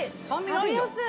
食べやすい。